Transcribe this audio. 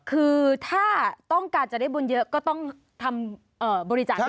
คือถ้าต้องการจะได้บุญเยอะก็ต้องทำบริจาคให้